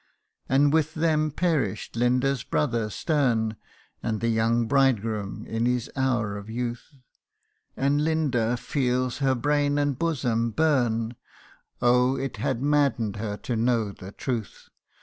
And with them perish'd Linda's brother stern, And the young bridegroom in his hour of youth : And Linda feels her brain and bosom burn Oh ! it had madden'd her to know the truth